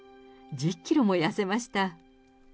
１０キロも痩せました。